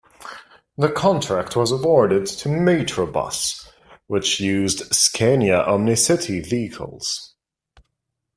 The contract was awarded to Metrobus, which used Scania OmniCity vehicles.